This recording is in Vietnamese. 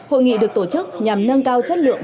hội nghị được tổ chức nhằm nâng cao chất lượng